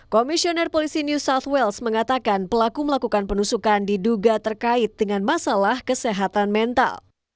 komisioner polisi new south wales mengatakan pelaku melakukan penusukan diduga terkait dengan masalah kesehatan mental